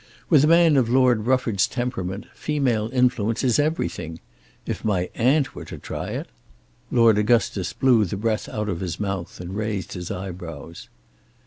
With a man of Lord Rufford's temperament female influence is everything. If my aunt were to try it?" Lord Augustus blew the breath out of his mouth and raised his eyebrows.